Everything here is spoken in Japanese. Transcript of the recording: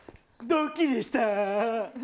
ドッキリでした！